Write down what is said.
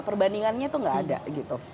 perbandingannya tuh gak ada gitu